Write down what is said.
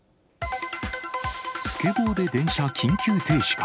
スケボーで電車緊急停止か。